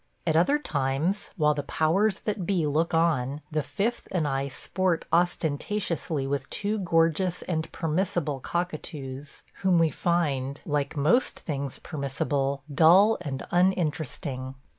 At other times, while the powers that be look on, the Fifth and I sport ostentatiously with two gorgeous and permissible cockatoos, whom we find, like most things permissible, dull and uninteresting.